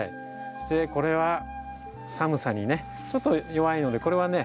これは寒さにねちょっと弱いのでこれはね